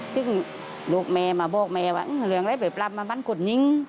ถึงลูกแม่มาโบกแม่ว่าเรืองอะไรไปปรับมันคุดนิ่ง